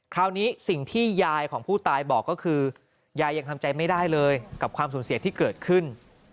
คราวนี้สิ่งที่ยายของผู้ตายบอกก็คือยายยังทำใจไม่ได้เลยกับความสูญเสียที่เกิดขึ้น